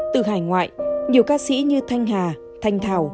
từ hải ngoại nhiều ca sĩ như thanh hà thanh thảo